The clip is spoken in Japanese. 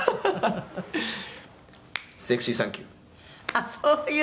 「あっそういうの？」